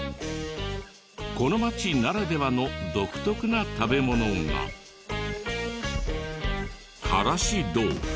この町ならではの独特な食べ物がからし豆腐。